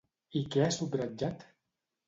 I què ha subratllat?